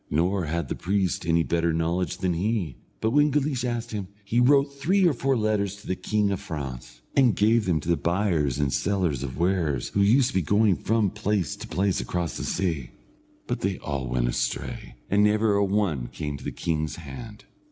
Nor had the priest any better knowledge than he; but when Guleesh asked him, he wrote three or four letters to the king of France, and gave them to buyers and sellers of wares, who used to be going from place to place across the sea; but they all went astray, and never a one came to the king's hand.